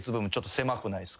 狭くないっすか？